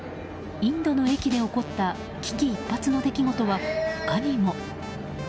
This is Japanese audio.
インドの駅で起こった危機一髪の出来事は他にも。